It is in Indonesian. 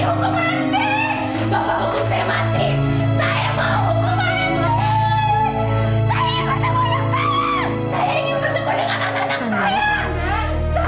saya ingin bertemu dengan saya